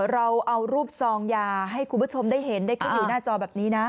เราเอารูปซองยาให้คุณผู้ชมได้เห็นได้ขึ้นอยู่หน้าจอแบบนี้นะ